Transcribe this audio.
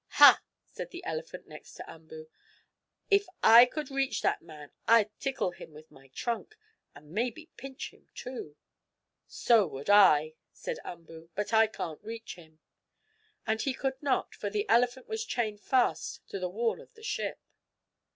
"Ha!" said the elephant next to Umboo. "If I could reach that man I'd tickle him with my trunk, and maybe pinch him, too." "So would I," said Umboo. "But I can't reach him," and he could not, for the elephant was chained fast to the wall of the ship.